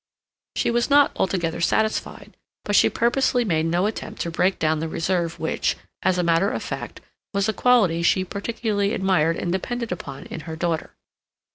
She was not altogether satisfied; but she purposely made no attempt to break down the reserve which, as a matter of fact, was a quality she particularly admired and depended upon in her daughter.